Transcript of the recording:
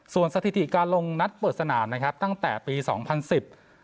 ส่วนสถิติการลงนัดเปิดสนามนะครับตั้งแต่ปีสองพันสิบ